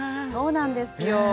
そうなんですよ。